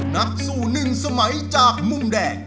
นักสู้หนึ่งสมัยจากมุมแดง